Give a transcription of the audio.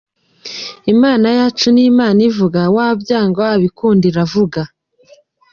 Imana yacu ni Imana ivuga wabyanga wabikunda Iravuga.